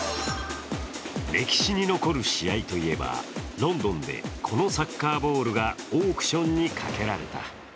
歴史に残る試合といえばロンドンで、このサッカーボールがオークションにかけられた。